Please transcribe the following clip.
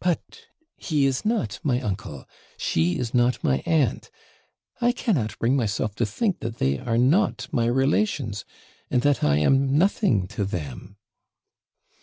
But he is not my uncle, she is not my aunt. I cannot bring myself to think that they are not my relations, and that I am nothing to them.'